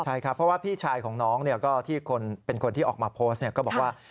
ใช่ครับเพราะว่าพี่ชายของน้องที่เป็นคนที่ออกมาโพสต์ก็บอกว่า